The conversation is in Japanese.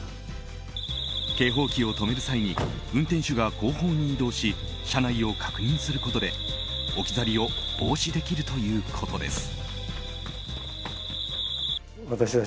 警報機を止める際に運転手が後方に移動し車内を確認することで置き去りを防止できるということです。